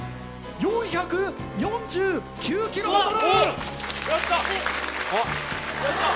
４８９キロバトル！